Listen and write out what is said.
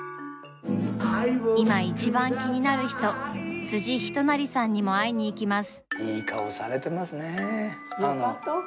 今、いちばん気になる人辻仁成さんにも会いに行きます。